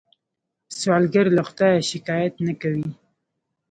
سوالګر له خدایه شکايت نه کوي